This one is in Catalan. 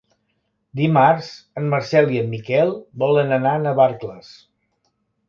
Dimarts en Marcel i en Miquel volen anar a Navarcles.